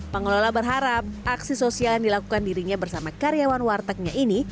pengelola berharap aksi sosial yang dilakukan dirinya bersama karyawan wartegnya ini